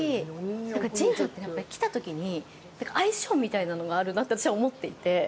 なんか神社って来たときに相性みたいなのがあるなって私は思っていて。